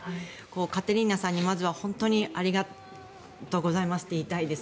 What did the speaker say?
カテリーナさんにまずは本当にありがとうございますと言いたいです。